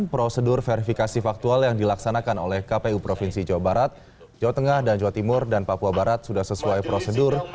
prosedur verifikasi faktual yang dilaksanakan oleh kpu provinsi jawa barat jawa tengah dan jawa timur dan papua barat sudah sesuai prosedur